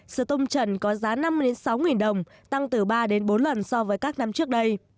sữa tôm trần có giá năm mươi đến sáu mươi đồng tăng từ ba đến bốn lần so với các năm trước đây